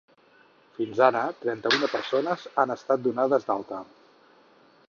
Fins ara trenta-una persones han estat donades d’alta.